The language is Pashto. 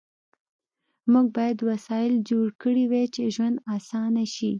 موږ باید وسایل جوړ کړي وای چې ژوند آسانه شي